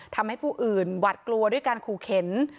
ทำให้ผู้อื่นหวัดกลัวด้วยการขู่เข็น